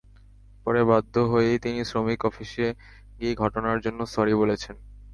পরে বাধ্য হয়েই তিনি শ্রমিক অফিসে গিয়ে ঘটনার জন্য সরি বলেছেন।